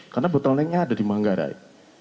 karena betelneknya ada di manggarai